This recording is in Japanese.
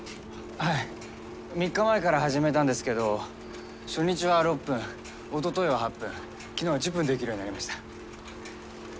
はい３日前から始めたんですけど初日は６分おとといは８分昨日は１０分できるようになりました。